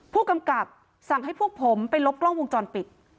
ผู้กำกับสั่งให้พวกผมไปลบกล้องวงจรปิด